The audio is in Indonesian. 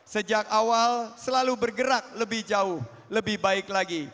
sejak awal selalu bergerak lebih jauh lebih baik lagi